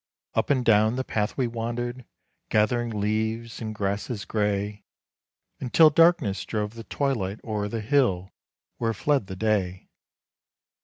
Up and down the path we wandered, gathering leaves and grasses gray, Until darkness drove the twilight o'er the hill where fled the day.